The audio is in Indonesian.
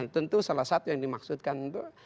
tentu salah satu yang dimaksudkan itu